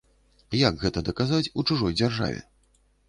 Як гэта даказаць у чужой дзяржаве?